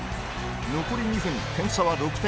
残り２分点差は６点。